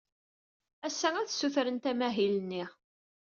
Ass-a, ad ssutrent amahil-nni.